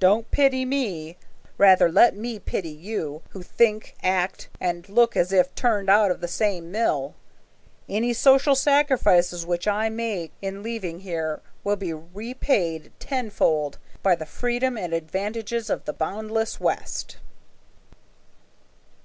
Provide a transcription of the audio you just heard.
Don't pity me. Rather let me pity you, who think, act, and look as if turned out of the same mill. Any social sacrifices which I make in leaving here will be repaid tenfold by the freedom and advantages of the boundless West."